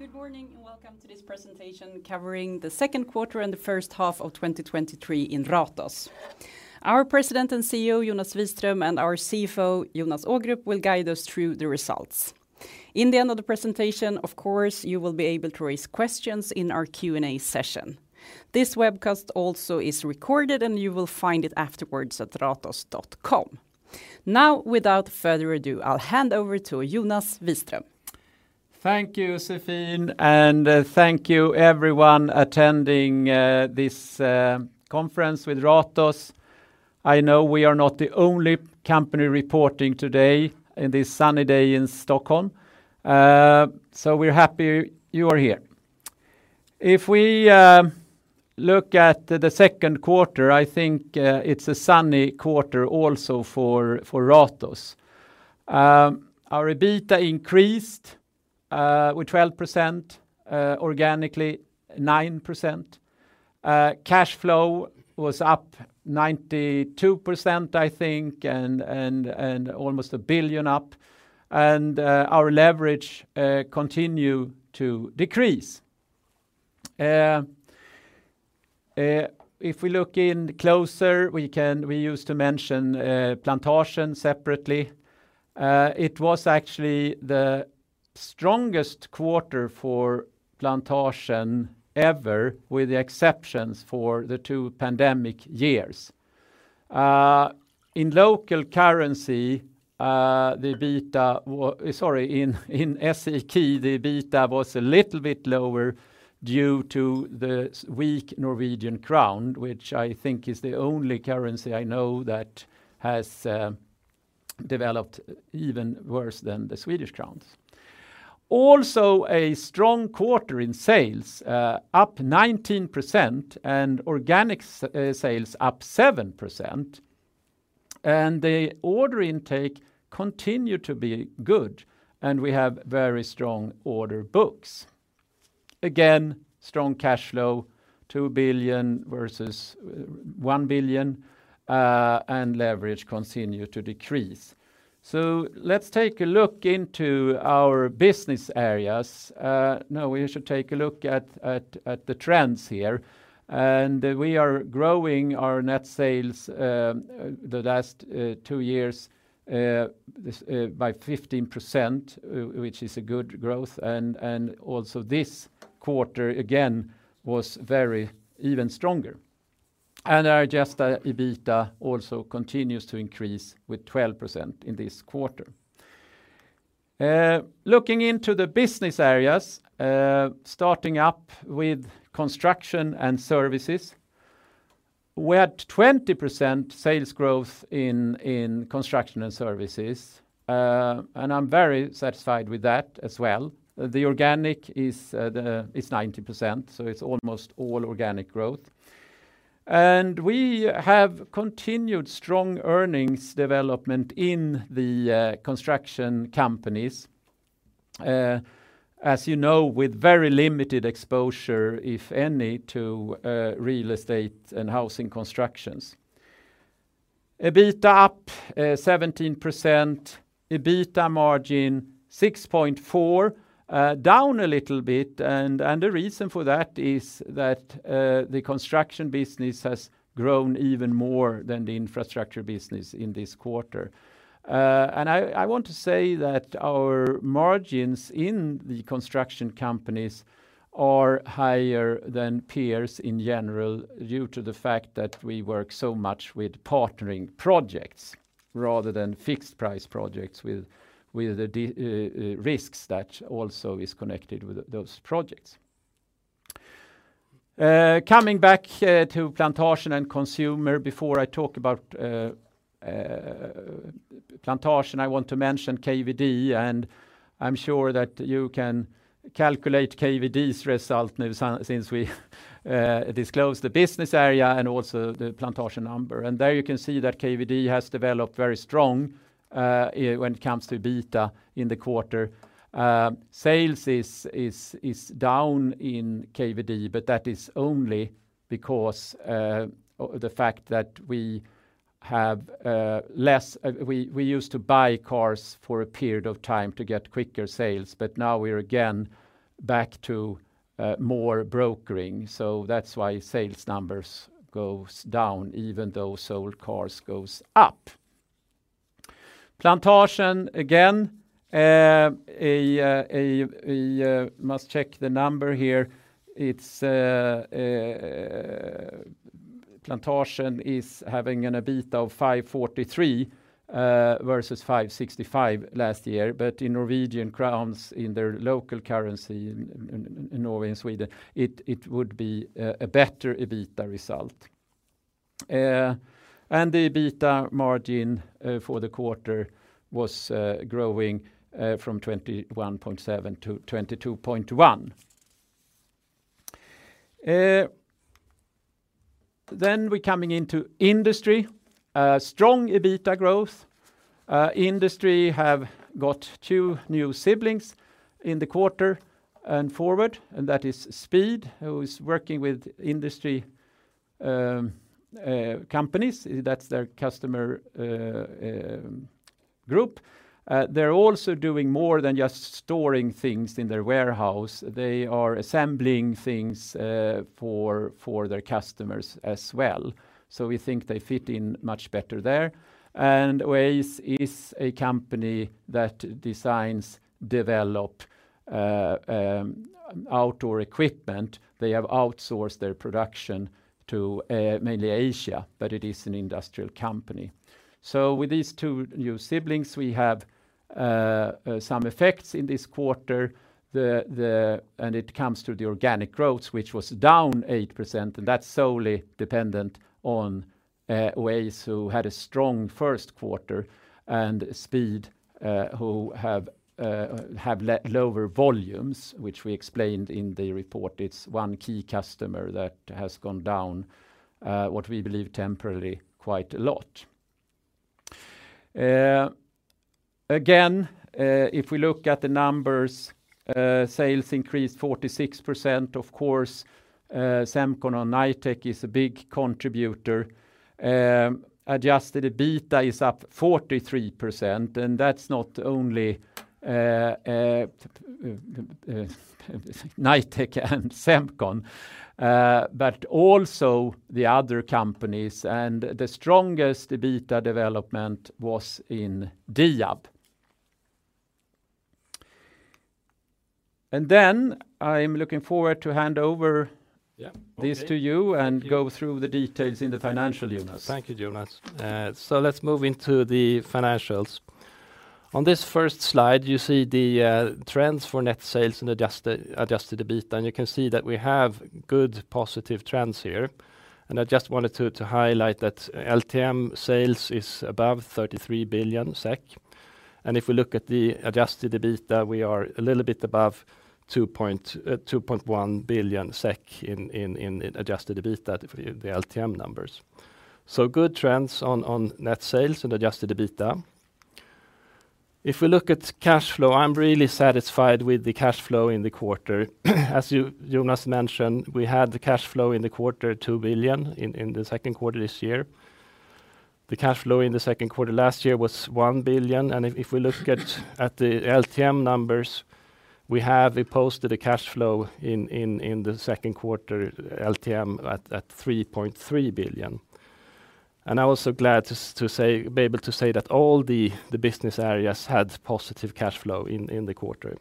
Good morning. Welcome to this presentation covering the second quarter and the first half of 2023 in Ratos. Our President and CEO, Jonas Wiström, and our CFO, Jonas Ågrup, will guide us through the results. In the end of the presentation, of course, you will be able to raise questions in our Q&A session. This webcast also is recorded, and you will find it afterwards at ratos.com. Now, without further ado, I'll hand over to Jonas Wiström. Thank you, Sophie, and thank you everyone attending this conference with Ratos. I know we are not the only company reporting today in this sunny day in Stockholm, so we're happy you are here. If we look at the second quarter, I think it's a sunny quarter also for Ratos. Our EBITDA increased with 12%, organically 9%. Cash flow was up 92%, I think, and almost 1 billion up, and our leverage continue to decrease. If we look in closer, we used to mention Plantagen separately. It was actually the strongest quarter for Plantagen ever, with the exceptions for the two pandemic years. In local currency, the EBITDA sorry, in SEK, the EBITDA was a little bit lower due to the weak Norwegian crown, which I think is the only currency I know that has developed even worse than the Swedish crowns. A strong quarter in sales, up 19% and organic sales up 7%, and the order intake continue to be good, and we have very strong order books. Strong cash flow, 2 billion versus 1 billion, and leverage continue to decrease. let's take a look into our business areas. No, we should take a look at the trends here. We are growing our net sales the last two years, this by 15%, which is a good growth, and also this quarter, again, was very even stronger. Our adjusted EBITDA also continues to increase with 12% in this quarter. Looking into the business areas, starting up with construction and services, we had 20% sales growth in construction and services. I'm very satisfied with that as well. The organic is 90%, so it's almost all organic growth. We have continued strong earnings development in the construction companies, as you know, with very limited exposure, if any, to real estate and housing constructions. EBITDA up 17%, EBITDA margin 6.4% down a little bit, the reason for that is that the construction business has grown even more than the infrastructure business in this quarter. I want to say that our margins in the construction companies are higher than peers in general, due to the fact that we work so much with partnering projects rather than fixed price projects with the risks that also is connected with those projects. Coming back to Plantagen and consumer, before I talk about Plantagen, I want to mention KVD, I'm sure that you can calculate KVD's result now since we disclosed the business area and also the Plantagen number. There you can see that KVD has developed very strong when it comes to EBITDA in the quarter. Sales is down in KVD, but that is only because the fact that we have less. We used to buy cars for a period of time to get quicker sales, but now we're again back to more brokering. That's why sales numbers goes down, even though sold cars goes up. Plantagen, again, a must check the number here. It's Plantagen is having an EBITDA of 543 versus 565 last year. In Norwegian crowns, in their local currency, in Norway and Sweden, it would be a better EBITDA result. The EBITDA margin for the quarter was growing from 21.7%-22.1%. We're coming into industry. Strong EBITDA growth. Industry have got two new siblings in the quarter and forward, that is Speed, who is working with industry companies. That's their customer group, they're also doing more than just storing things in their warehouse. They are assembling things for their customers as well. We think they fit in much better there. Oase is a company that designs, develop outdoor equipment. They have outsourced their production to mainly Asia, but it is an industrial company. With these two new siblings, we have some effects in this quarter. It comes to the organic growth, which was down 8%, and that's solely dependent on Oase, who had a strong first quarter, and Speed, who have lower volumes, which we explained in the report. It's one key customer that has gone down, what we believe temporarily, quite a lot. Again, if we look at the numbers, sales increased 46%. Of course, Semcon and Knightec is a big contributor. Adjusted EBITDA is up 43%, and that's not only Knightec and Semcon, but also the other companies, and the strongest EBITDA development was in Diab. I'm looking forward to hand over. Yeah. -this to you and go through the details in the financial, Jonas. Thank you, Jonas. Let's move into the financials. On this first slide, you see the trends for net sales and adjusted EBITDA. You can see that we have good positive trends here. I just wanted to highlight that LTM sales is above 33 billion SEK. If we look at the adjusted EBITDA, we are a little bit above 2.1 billion SEK in adjusted EBITDA, the LTM numbers. Good trends on net sales and adjusted EBITDA. If we look at cash flow, I'm really satisfied with the cash flow in the quarter. As you, Jonas mentioned, we had the cash flow in the quarter, 2 billion SEK in the second quarter this year. The cash flow in the second quarter last year was 1 billion, and if we look at the LTM numbers, we have posted a cash flow in the second quarter LTM at 3.3 billion. I was so glad to be able to say that all the business areas had positive cash flow in the quarter.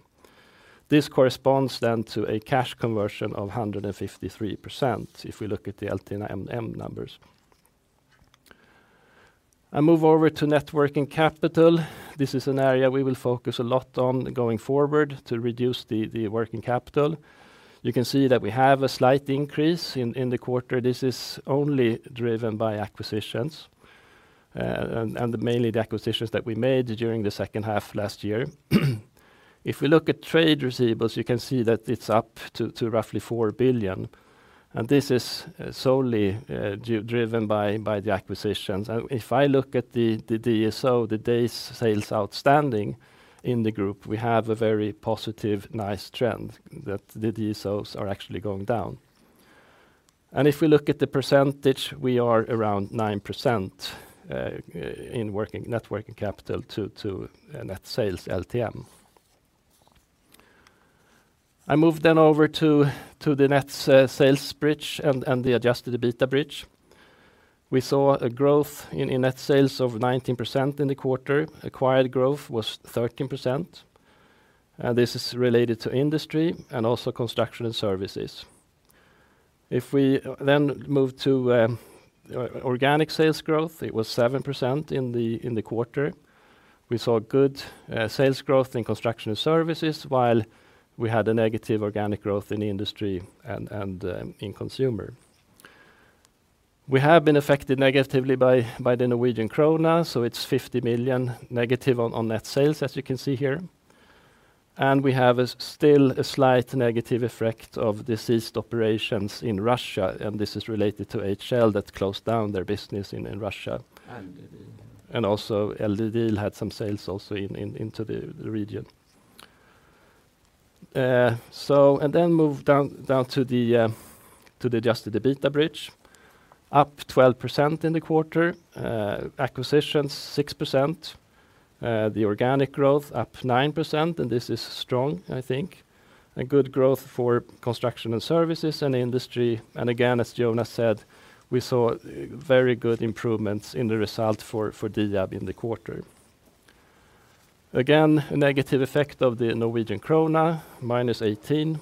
This corresponds then to a cash conversion of 153%, if we look at the LTM numbers. I move over to net working capital. This is an area we will focus a lot on going forward to reduce the working capital. You can see that we have a slight increase in the quarter. This is only driven by acquisitions, and mainly the acquisitions that we made during the second half last year. If we look at trade receivables, you can see that it's up to roughly 4 billion. This is solely driven by the acquisitions. If I look at the DSO, the days sales outstanding in the group, we have a very positive, nice trend, that the DSOs are actually going down. If we look at the percentage, we are around 9% in working, net working capital to net sales LTM. I move over to the net sales bridge and the adjusted EBITDA bridge. We saw a growth in net sales of 19% in the quarter. Acquired growth was 13%, and this is related to industry and also construction and services. If we move to organic sales growth, it was 7% in the quarter. We saw good sales growth in construction and services, while we had a negative organic growth in the industry and in consumer. We have been affected negatively by the Norwegian krona, it's 50 million negative on net sales, as you can see here. We have a still a slight negative effect of deceased operations in Russia, and this is related to HL that closed down their business in Russia. And- Also, LEDiL had some sales into the region. Then move down to the adjusted EBITDA bridge, up 12% in the quarter, acquisitions, 6%, the organic growth, up 9%. This is strong, I think. A good growth for construction and services and industry. Again, as Jonas said, we saw very good improvements in the result for Diab in the quarter. Again, a negative effect of the Norwegian krona, -18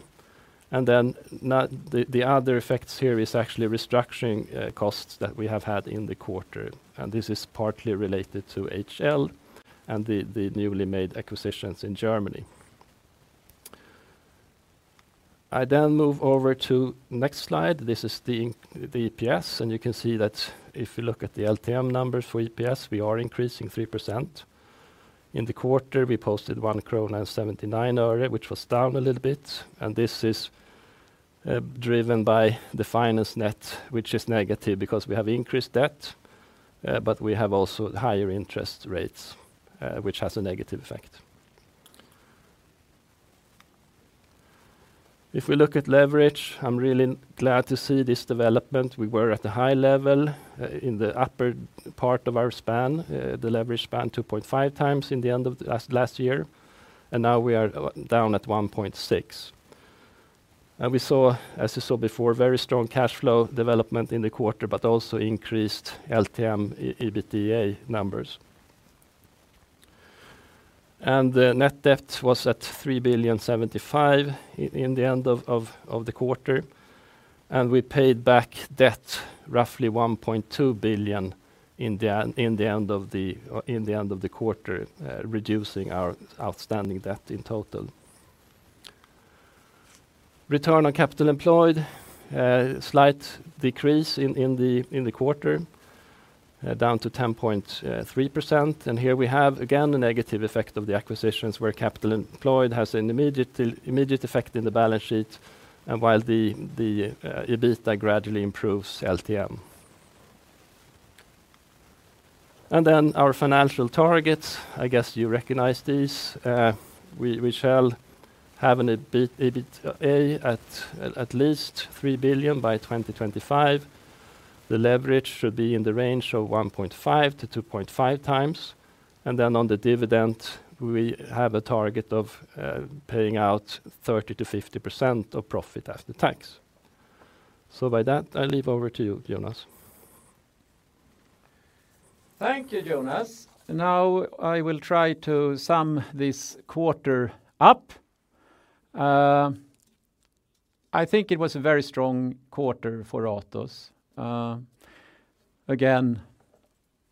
million. Now the other effects here is actually restructuring costs that we have had in the quarter, and this is partly related to HL and the newly made acquisitions in Germany. Then move over to next slide. This is the inc... the EPS. You can see that if you look at the LTM numbers for EPS, we are increasing 3%. In the quarter, we posted 1.79 krona earlier, which was down a little bit, and this is driven by the finance net, which is negative because we have increased debt, but we have also higher interest rates, which has a negative effect. If we look at leverage, I'm really glad to see this development. We were at the high level in the upper part of our span, the leverage span 2.5x in the end of last year, and now we are down at 1.6x. We saw, as you saw before, very strong cash flow development in the quarter, but also increased LTM EBITDA numbers. The net debt was at 3,000,000,075 in the end of the quarter, we paid back debt roughly 1.2 billion in the end of the quarter, reducing our outstanding debt in total. Return on capital employed, slight decrease in the quarter, down to 10.3%. Here we have, again, a negative effect of the acquisitions, where capital employed has an immediate effect in the balance sheet, while the EBITDA gradually improves LTM. Our financial targets, I guess you recognize these. We shall have an EBITDA at least 3 billion by 2025. The leverage should be in the range of 1.5x to 2.5x. On the dividend, we have a target of paying out 30%-50% of profit after tax. By that, I leave over to you, Jonas. Thank you, Jonas. Now I will try to sum this quarter up. I think it was a very strong quarter for Ratos. Again,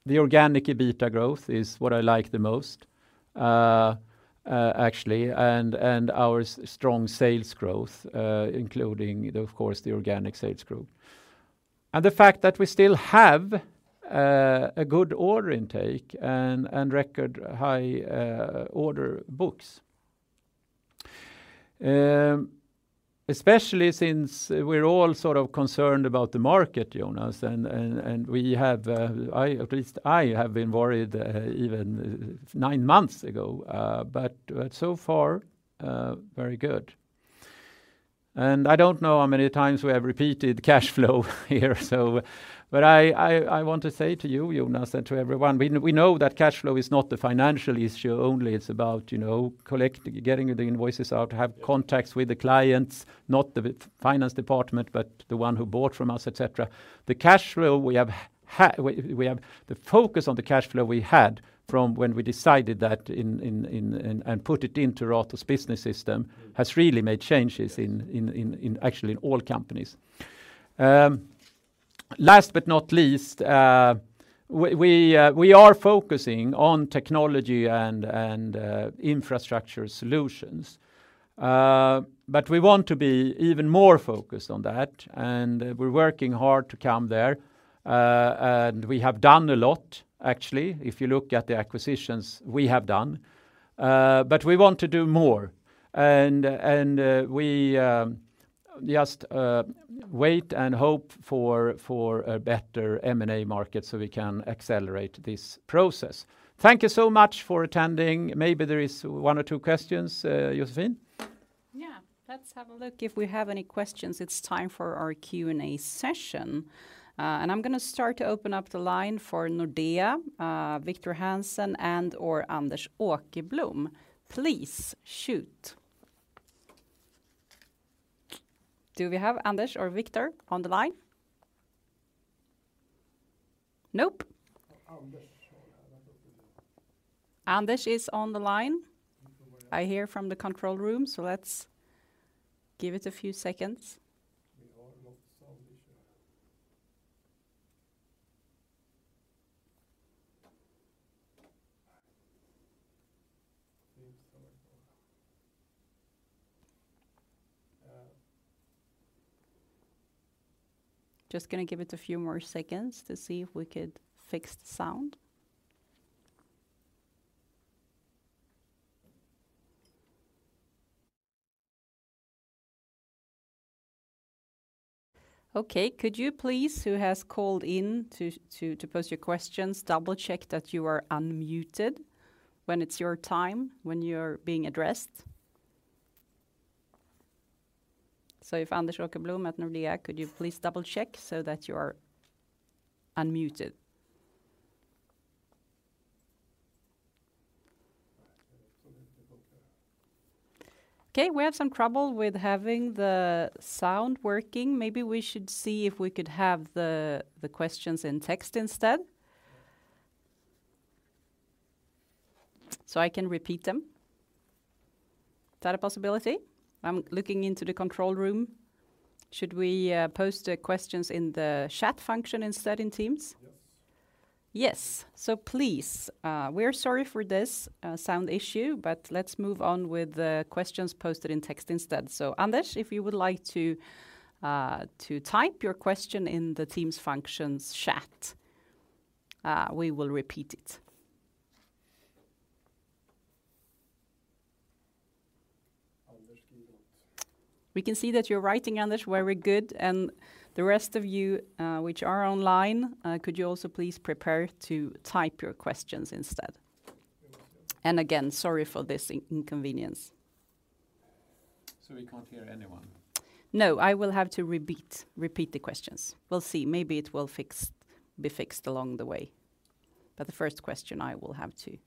the organic EBITDA growth is what I like the most, actually, and our strong sales growth, including, of course, the organic sales growth. The fact that we still have a good order intake and record high order books. Especially since we're all sort of concerned about the market, Jonas, and we have, I at least have been worried, even nine months ago, but so far, very good. I don't know how many times we have repeated cash flow here. I want to say to you, Jonas, and to everyone, we know that cash flow is not the financial issue, only it's about, you know, collecting, getting the invoices out, have contacts with the clients, not the finance department, but the one who bought from us, et cetera. The cash flow we have the focus on the cash flow we had from when we decided that in and put it into Ratos Business System, has really made changes in actually in all companies. Last but not least, we are focusing on technology and infrastructure solutions. We want to be even more focused on that, and we're working hard to come there. We have done a lot, actually, if you look at the acquisitions we have done, but we want to do more. And we just wait and hope for a better M&A market so we can accelerate this process. Thank you so much for attending. Maybe there is one or two questions, Josefine? Yeah. Let's have a look if we have any questions. It's time for our Q&A session. I'm going to start to open up the line for Nordea, Victor Hansen and/or Anders Åkerman. Please, shoot. Do we have Anders or Victor on the line? Nope. Anders. Anders is on the line, I hear from the control room. Let's give it a few seconds. We all have sound issue. Just going to give it a few more seconds to see if we could fix the sound. Could you please, who has called in to pose your questions, double-check that you are unmuted when it's your time, when you're being addressed? If Anders Åkerman at Nordea, could you please double-check so that you are unmuted? We have some trouble with having the sound working. We should see if we could have the questions in text instead, so I can repeat them. Is that a possibility? I'm looking into the control room. Should we post the questions in the chat function instead in Teams? Yes. Yes. Please, we are sorry for this sound issue, let's move on with the questions posted in text instead. Anders, if you would like to type your question in the Teams functions chat, we will repeat it. Anders, can you not? We can see that you're writing, Anders. Very good. The rest of you, which are online, could you also please prepare to type your questions instead? Again, sorry for this inconvenience. We can't hear anyone? No, I will have to repeat the questions. We'll see. Maybe it will be fixed along the way, but the first question I will have to.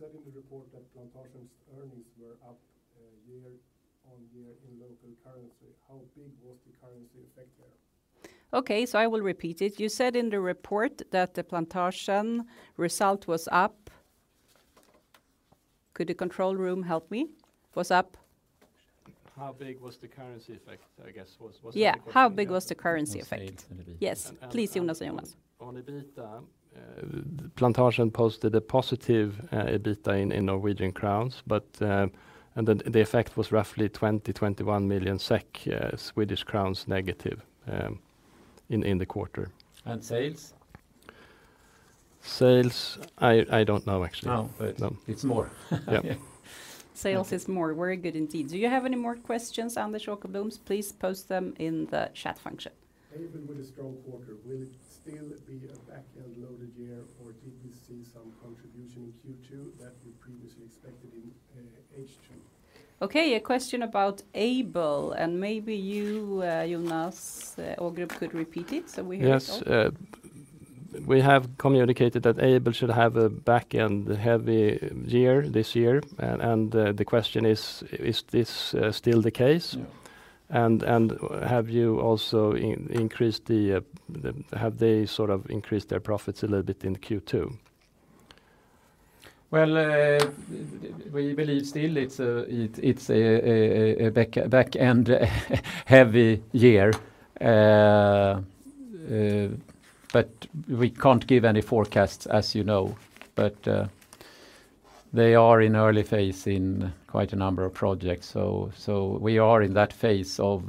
I will answer that. You said in the report that Plantagen's earnings were up, year-on-year in local currency. How big was the currency effect there? Okay, I will repeat it. You said in the report that the Plantagen result was up. Could the control room help me? How big was the currency effect, I guess, was the question. How big was the currency effect? On sales or EBITDA. Yes, please, Jonas and Jonas. On EBITDA, Plantagen posted a positive EBITDA in Norwegian crowns, but the effect was roughly 20-21 million Swedish crowns negative in the quarter. And sales? Sales, I don't know, actually. Oh. No. It's more. Yeah. Sales is more. Very good indeed. Do you have any more questions on the Sjögren-Bloms? Please post them in the chat function. Aibel with a strong quarter, will it still be a back-end loaded year, or did you see some contribution in Q2 that you previously expected in H2? Okay, a question about Aibel. Maybe you, Jonas Ågrup, could repeat it, so we hear it all. Yes. we have communicated that Aibel should have a back-end heavy year this year, and, the question is this, still the case? Yeah. Have they sort of increased their profits a little bit in Q2? We believe still it's a back-end, heavy year. We can't give any forecasts, as you know. They are in early phase in quite a number of projects. We are in that phase of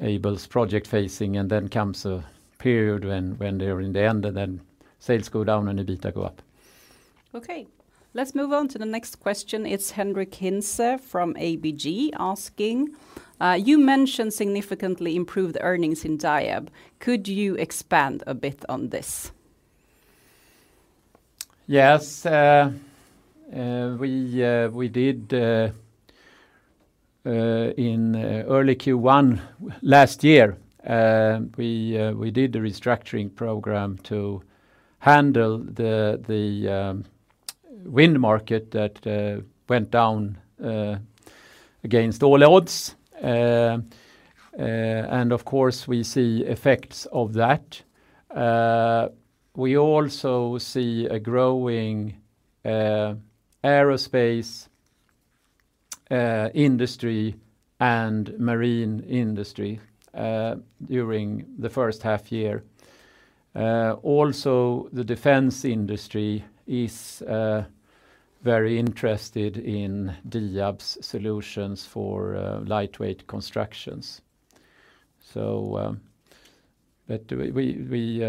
Aibel's project phasing, then comes a period when they are in the end, then sales go down and EBITDA go up. Okay. Let's move on to the next question. It's Henrik Lempka from ABG asking: "You mentioned significantly improved earnings in Diab. Could you expand a bit on this? Yes. We did in early Q1 last year, we did a restructuring program to handle the wind market that went down against all odds. Of course, we see effects of that. We also see a growing aerospace industry and marine industry during the first half year. Also, the defense industry is very interested in Diab's solutions for lightweight constructions. But we,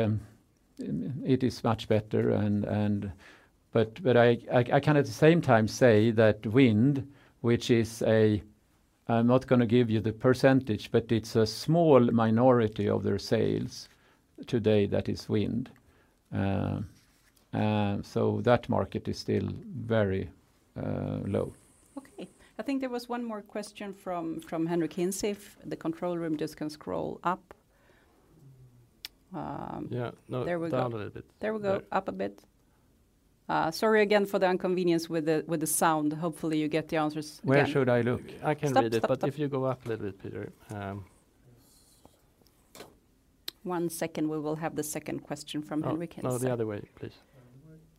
it is much better and I can at the same time say that wind, which is a, I'm not gonna give you the percentage, but it's a small minority of their sales today that is wind. That market is still very low. Okay. I think there was one more question from Henrik Lempka, if the control room just can scroll up. Yeah. There we go.... down a little bit. There we go. Yeah. Up a bit. Sorry again for the inconvenience with the sound. Hopefully, you get the answers again. Where should I look? I can read it. Stop, stop. If you go up a little bit, Peter. One second, we will have the second question from Henrik Lempka. No, no, the other way, please.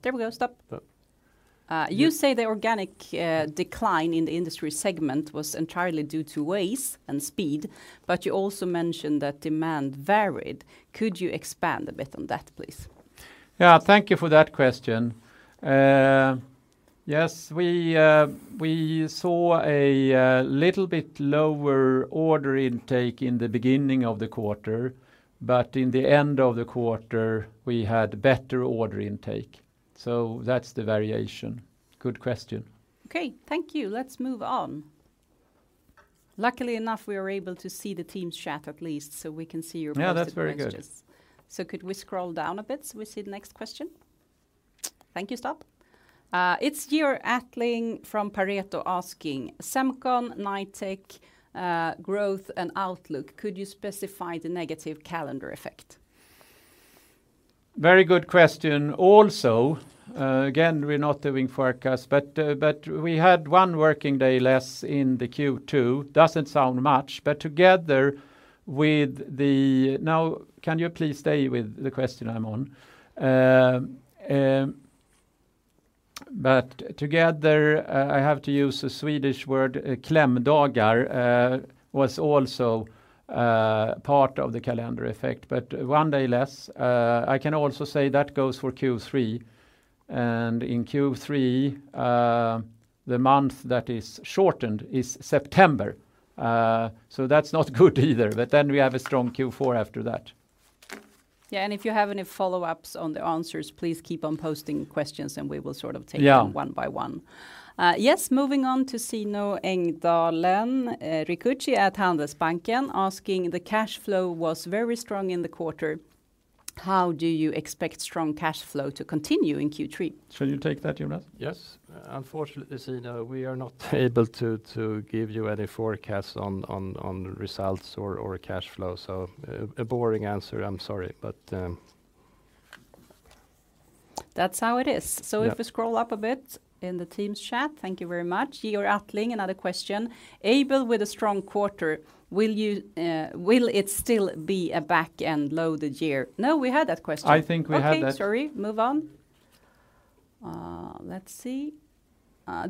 There we go. Stop. Stop. you say the organic decline in the industry segment was entirely due to waste and Speed, but you also mentioned that demand varied. Could you expand a bit on that, please? Yeah, thank you for that question. Yes, we saw a little bit lower order intake in the beginning of the quarter. In the end of the quarter, we had better order intake. That's the variation. Good question. Okay, thank you. Let's move on. Luckily enough, we are able to see the team's chat at least, so we can see your posted messages. Yeah, that's very good. Could we scroll down a bit, so we see the next question? Thank you. Stop. It's Georg Attling from Pareto asking, "Semcon Knightec, growth and outlook, could you specify the negative calendar effect? Very good question also. Again, we're not doing forecast, but we had one working day less in the Q2. Doesn't sound much, but together with the... Now, can you please stay with the question I'm on? Together, I have to use a Swedish word, "" was also part of the calendar effect, but one day less. I can also say that goes for Q3, in Q3, the month that is shortened is September. That's not good either, but then we have a strong Q4 after that. Yeah, if you have any follow-ups on the answers, please keep on posting questions, and we will sort of take them. Yeah... one by one. Yes, moving on to Sina Engdalen at Handelsbanken, asking, "The cash flow was very strong in the quarter.... how do you expect strong cash flow to continue in Q3? Shall you take that, Jonas? Yes. Unfortunately, Sina, we are not able to give you any forecast on results or cash flow. A boring answer. I'm sorry, but. That's how it is. Yeah. If you scroll up a bit in the Teams chat. Thank you very much. Georg Attling, another question: "Aibel with a strong quarter, will it still be a back-end loaded year?" No, we had that question. I think we had that. Okay, sorry. Move on. Let's see.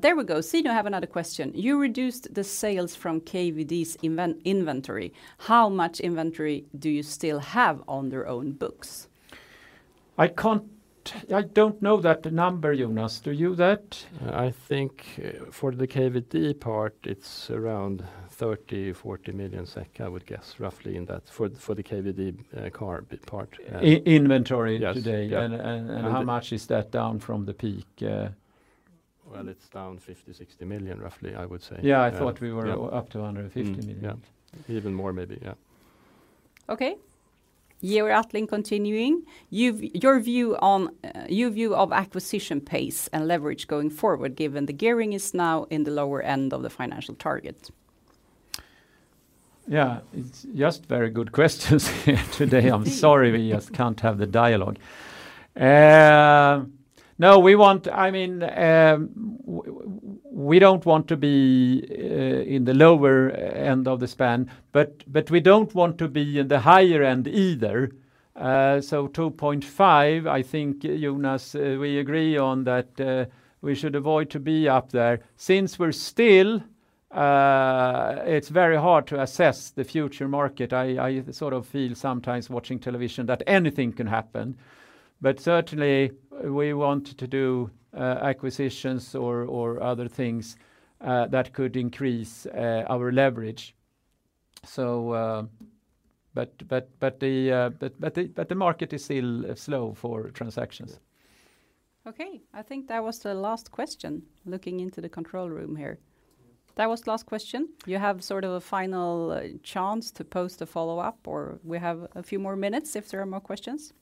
There we go. Sina, I have another question: "You reduced the sales from KVD's inventory. How much inventory do you still have on their own books? I don't know that number, Jonas. Do you that? I think, for the KVD part, it's around 30-40 million SEK, I would guess, roughly in that for the KVD, car bit part. Inventory today. Yes. Yeah. How much is that down from the peak? Well, it's down 50 million, 60 million, roughly, I would say. Yeah, I thought we were. Yeah... up to 150 million. Mm. Yeah. Even more maybe, yeah. Okay. "Your view on your view of acquisition pace and leverage going forward, given the gearing is now in the lower end of the financial target? Yeah, it's just very good questions today. I'm sorry, we just can't have the dialogue. No, we don't want to be in the lower end of the span, but we don't want to be in the higher end either. 2.5, I think, Jonas, we agree on that, we should avoid to be up there. Since we're still, it's very hard to assess the future market. I sort of feel sometimes watching television that anything can happen, but certainly we want to do acquisitions or other things that could increase our leverage. But the market is still slow for transactions. I think that was the last question, looking into the control room here. That was the last question. You have sort of a final chance to post a follow-up, or we have a few more minutes if there are more questions.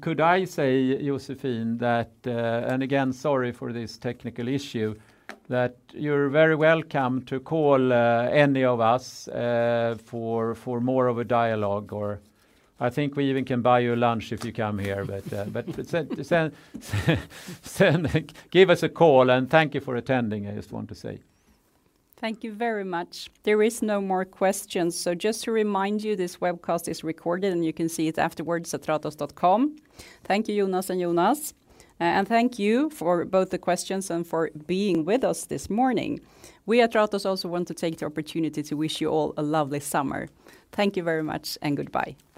Could I say, Josefine, that, and again, sorry for this technical issue, that you're very welcome to call any of us for more of a dialogue, or I think we even can buy you lunch if you come here. Give us a call, and thank you for attending, I just want to say. Thank you very much. There is no more questions. Just to remind you, this webcast is recorded, and you can see it afterwards at ratos.com. Thank you, Jonas and Jonas, and thank you for both the questions and for being with us this morning. We at Ratos also want to take the opportunity to wish you all a lovely summer. Thank you very much, and goodbye.